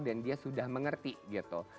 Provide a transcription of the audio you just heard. dan dia sudah mengerti gitu